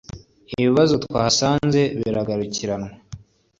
ibibazo twahasanze bigakurikiranwa